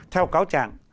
theo cáo trạng